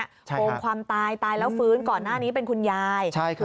โกงความตายตายแล้วฟื้นก่อนหน้านี้เป็นคุณยาย